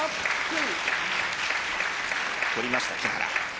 取りました、木原。